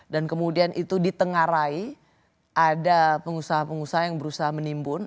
kemudian itu ditengarai ada pengusaha pengusaha yang berusaha menimbun